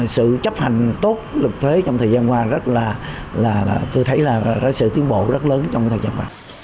sự chấp hành tốt lực thuế trong thời gian qua tôi thấy là sự tiến bộ rất lớn trong thời gian qua